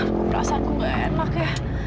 perasaan ku gak enak ya